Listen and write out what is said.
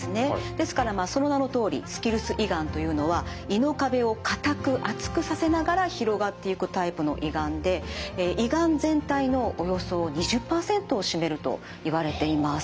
ですからその名のとおりスキルス胃がんというのは胃の壁をかたく厚くさせながら広がっていくタイプの胃がんで胃がん全体のおよそ２０％を占めるといわれています。